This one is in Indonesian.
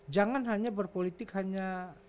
jangan hanya berpolitik hanya